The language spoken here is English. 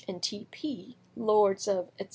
and T. P., lords of, etc.